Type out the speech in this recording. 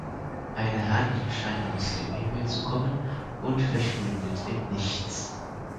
Eine Hand scheint aus dem Himmel zu kommen und verschwindet im Nichts.